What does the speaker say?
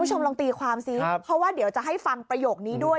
คุณผู้ชมลองตีความซิเพราะว่าเดี๋ยวจะให้ฟังประโยคนี้ด้วย